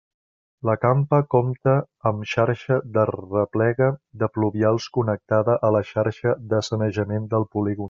La campa compta amb xarxa d'arreplega de pluvials connectada a la xarxa de sanejament del polígon.